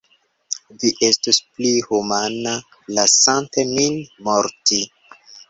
Vi estus pli humana, lasante min morti.